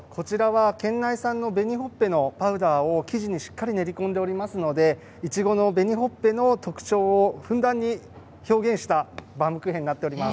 県内産の紅ほっぺのパウダーを生地にしっかり練り込んでいますのでいちごの紅ほっぺの特徴をふんだんに表現したバウムクーヘンになっています。